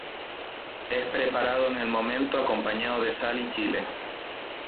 Es preparado en el momento, acompañado de sal y chile.